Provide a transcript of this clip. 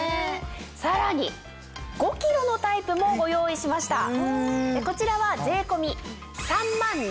さらに５ｋｇのタイプもご用意しましたこちらは。